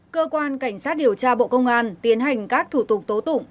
cơ quan cảnh sát điều tra bộ công an tiến hành các thủ tục tố tụng